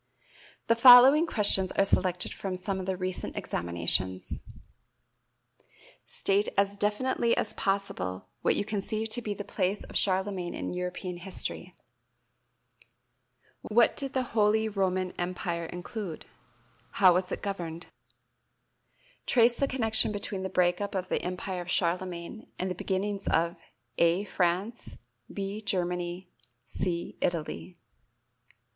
The following questions are selected from some of the recent examinations: State as definitely as possible what you conceive to be the place of Charlemagne in European history. What did the Holy Roman Empire include? How was it governed? Trace the connection between the break up of the Empire of Charlemagne and the beginnings of (a) France, (b) Germany, (c) Italy.